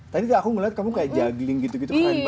tadi aku melihat kamu kayak jagling gitu gitu keren banget tuh